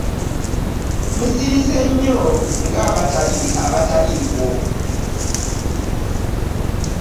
Musirise nnyo nga abataliiwo.